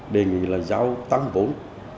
đề nghị là giao tăng vốn